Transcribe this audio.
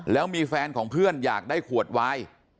แล้วมีแฟนของเพื่อนอยากได้ขวดวาย